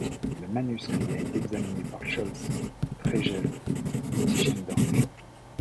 Le manuscrit a été examiné par Scholz, Tregelles et Tischendorf.